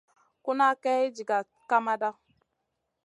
Ku nʼa Kay diga kamada.